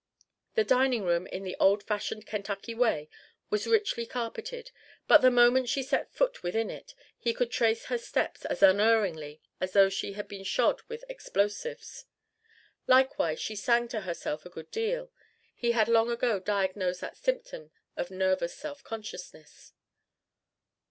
The dining room, in the old fashioned Kentucky way, was richly carpeted; but the moment she set her foot within it, he could trace her steps as unerringly as though she had been shod with explosives. Likewise she sang to herself a good deal: (he had long ago diagnosed that symptom of nervous self consciousness).